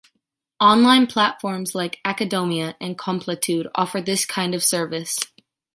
Online platforms like Acadomia and Complétude offer this kind of service.